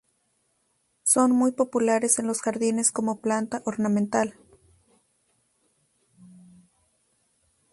Son muy populares en los jardines como planta ornamental.